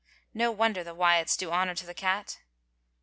" No wonder the Wyatts do honor to the cat.